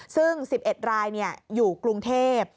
ซึ่ง๑๑รายอยู่กรุงเทพ